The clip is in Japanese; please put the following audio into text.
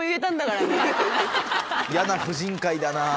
嫌な婦人会だな。